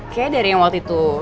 kayaknya dari yang waktu itu